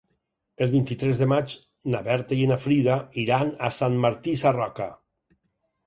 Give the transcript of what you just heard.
El vint-i-tres de maig na Berta i na Frida iran a Sant Martí Sarroca.